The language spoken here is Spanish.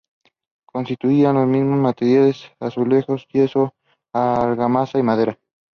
Construían con los mismos materiales: azulejos, yeso, argamasa y madera.